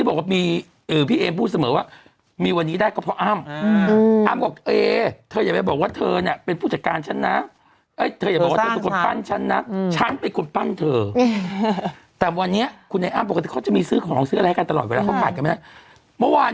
แบบเรารู้ว่าคุณอาเอกเขาเป็นคนใจถึงอยู่แล้วเรื่องพวกเย็นเตอร์เมนเนอะ